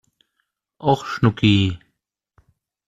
Och, Schnucki!